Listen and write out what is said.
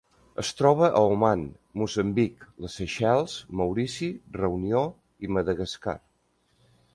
Es troba a Oman, Moçambic, les Seychelles, Maurici, Reunió i Madagascar.